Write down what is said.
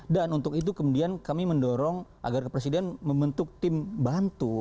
untuk itu kemudian kami mendorong agar presiden membentuk tim bantu